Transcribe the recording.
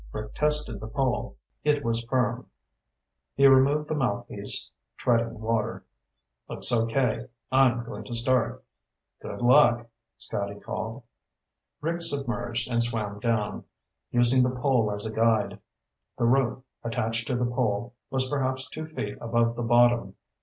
Rick tested the pole. It was firm. He removed the mouthpiece, treading water. "Looks okay. I'm going to start." "Good luck," Scotty called. Rick submerged and swam down, using the pole as a guide. The rope, attached to the pole, was perhaps two feet above the bottom.